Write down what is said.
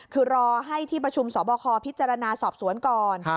คือรอให้ที่ประชุมสอบคอพิจารณาสอบสวนก่อน